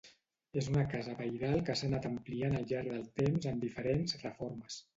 És una casa pairal que s'ha anat ampliant al llarg del temps amb diferents reformes.